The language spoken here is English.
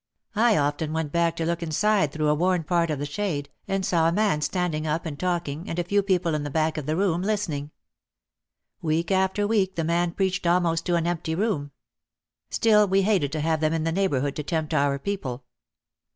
I often went back to look inside through a worn part of the shade, and saw a man standing up and talking and a few people in the back of the room listening. Week after week the man preached almost to an empty room. Still we hated to have them in the neighbourhood to tempt our people.